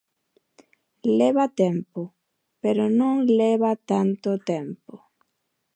Leva tempo, pero non leva tanto tempo.